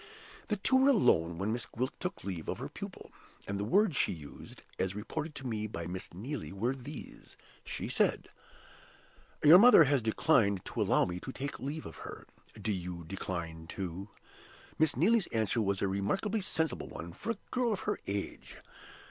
The two were alone when Miss Gwilt took leave of her pupil; and the words she used (as reported to me by Miss Neelie) were these. She said, 'Your mother has declined to allow me to take leave of her. Do you decline too?' Miss Neelie's answer was a remarkably sensible one for a girl of her age.